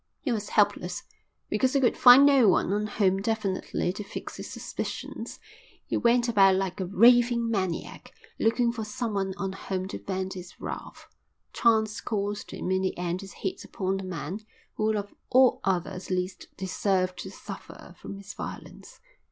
He was helpless. Because he could find no one on whom definitely to fix his suspicions, he went about like a raving maniac, looking for someone on whom to vent his wrath. Chance caused him in the end to hit upon the man who of all others least deserved to suffer from his violence.